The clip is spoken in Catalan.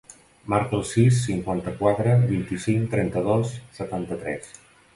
Marca el sis, cinquanta-quatre, vint-i-cinc, trenta-dos, setanta-tres.